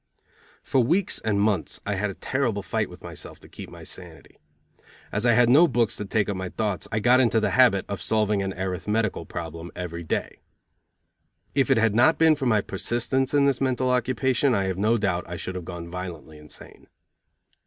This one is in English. For weeks and months I had a terrible fight with myself to keep my sanity. As I had no books to take up my thoughts I got into the habit of solving an arithmetical problem every day. If it had not been for my persistence in this mental occupation I have no doubt I should have gone violently insane.